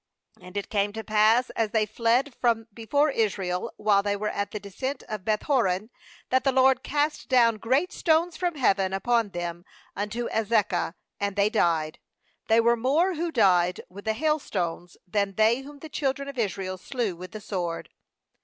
"And it came to pass, as they fled from before Israel, while they were at the descent of Beth horon, that the LORD cast down great stones from heaven upon them unto Azekah, and they died; they were more who died with the hailstones than they whom the children of Israel slew with the sword.